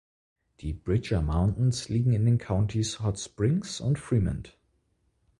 Die Bridger Mountains liegen in den Countys Hot Springs und Fremont.